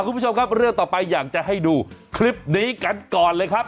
คุณผู้ชมครับเรื่องต่อไปอยากจะให้ดูคลิปนี้กันก่อนเลยครับ